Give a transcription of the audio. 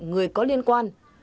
người có liên quan